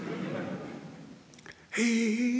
へえ。